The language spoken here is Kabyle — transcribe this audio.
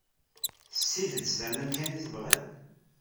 S tidet d aman kan i tebɣiḍ?